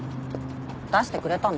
出してくれたの？